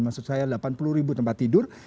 maksud saya delapan puluh ribu tempat tidur